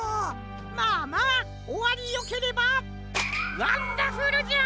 まあまあおわりよければワンダフルじゃ！